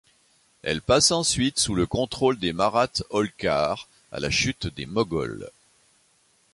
Elle passe ensuite sous le contrôle des marathes Holkar à la chute des Moghols.